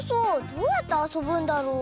どうやってあそぶんだろう。